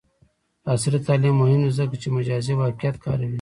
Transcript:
عصري تعلیم مهم دی ځکه چې مجازی واقعیت کاروي.